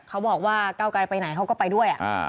เขาบอกว่าเก้าไกลไปไหนเขาก็ไปด้วย